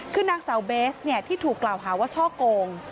คือนางสาวเบสที่ถูกกล่าวหาว่าช่อโกง